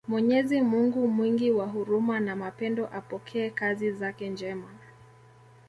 Mwenyezi Mungu mwingi wa huruma na mapendo apokee kazi zake njema